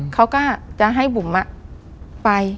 เขาก็จะให้บุ๋มไป